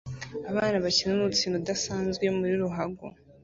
abana bakina umukino udasanzwe wa ruhago